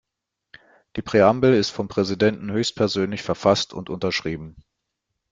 Die Präambel ist vom Präsidenten höchstpersönlich verfasst und unterschrieben.